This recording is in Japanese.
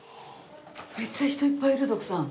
めっちゃ人いっぱいいる徳さん。